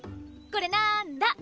これなーんだ？